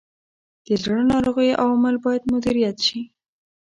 د زړه ناروغیو عوامل باید مدیریت شي.